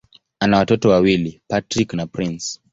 Ana watoto wawili: Patrick na Prince.